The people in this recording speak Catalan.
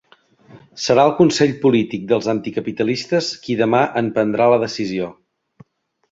Serà el consell polític dels anticapitalistes qui demà en prendrà la decisió.